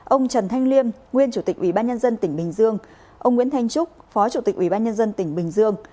ông trần thanh liêm nguyên chủ tịch ubnd tỉnh bình dương ông nguyễn thanh trúc phó chủ tịch ubnd tỉnh bình dương